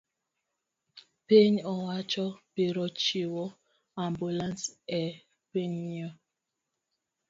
piny owacho biro chiwo ambulans e pinyno